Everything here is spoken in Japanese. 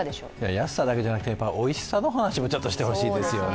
安さだけじゃなくて、おいしさの話もやっぱしてほしいですよね。